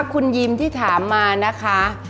คุณยีมที่ถามก่อนนะคะ